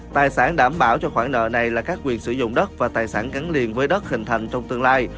tài sản đảm bảo cho khoản nợ này là các quyền sử dụng đất và tài sản gắn liền với đất hình thành trong tương lai